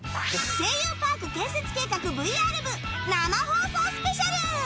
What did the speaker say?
「声優パーク建設計画ＶＲ部」生放送スペシャル。